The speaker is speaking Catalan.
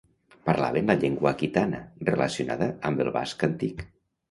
Parlaven la llengua aquitana, relacionada amb el basc antic.